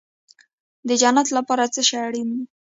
د جنت لپاره څه شی اړین دی؟